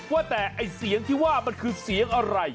ว่าแต่ไอ้เสียงที่ว่ามันคือเสียงอะไร